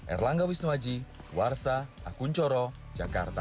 erlangga wisnuwaji warsa akun coro jakarta